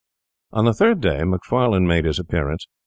On the third day Macfarlane made his appearance.